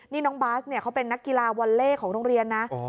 นี่น้องบาสเนี่ยเขาเป็นนักกีฬาวอลเล่ของโรงเรียนนะ